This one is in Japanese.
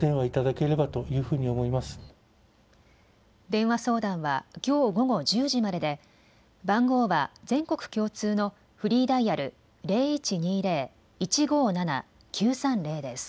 電話相談はきょう午後１０時までで番号は全国共通のフリーダイヤル、０１２０−１５７−９３０です。